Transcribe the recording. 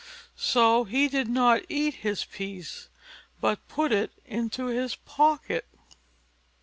So he did not eat his piece, but put it into his pocket.